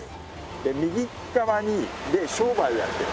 で右側で商売をやってる。